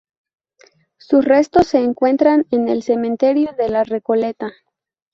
Sus restos se encuentran en el cementerio de La Recoleta.